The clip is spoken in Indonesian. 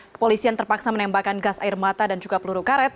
kepolisian terpaksa menembakkan gas air mata dan juga peluru karet